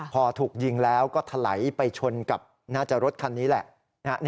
พอถูกยิงแล้วก็ถลายไปชนกับหน้าจอรถคันนี้แหละ